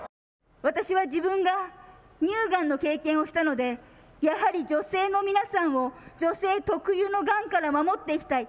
私は自分が乳がんの経験をしたので、やはり女性の皆さんを女性特有のがんから守っていきたい。